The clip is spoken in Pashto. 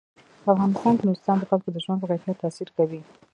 په افغانستان کې نورستان د خلکو د ژوند په کیفیت تاثیر کوي.